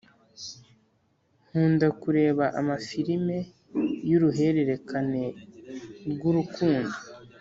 Nkunda kureba ama filime y’ uruhererekane rwa urukundo